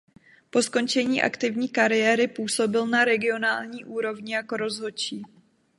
Po skončení aktivní kariéry působil na regionální úrovni jako rozhodčí.